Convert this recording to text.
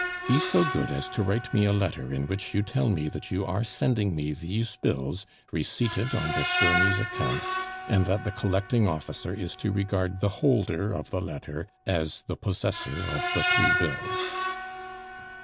Be so good as to write me a letter in which you tell me that you are sending me these bills receipted on d'Estourny's account, and that the collecting officer is to regard the holder of the letter as the possessor of the three bills."